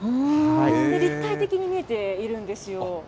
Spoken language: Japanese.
立体的に見えているんですよ。